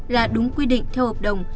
là đúng quy định theo hợp đồng